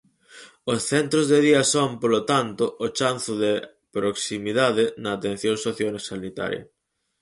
Os centros de día son, polo tanto, o chanzo de proximidade na atención sociosanitaria.